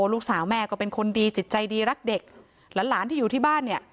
ลูกสาวแม่ก็เป็นคนดีจิตใจดีรักเด็กหลานที่อยู่ที่บ้านเนี่ย